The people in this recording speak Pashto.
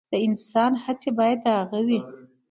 د انسان هڅې باید د هغه وي.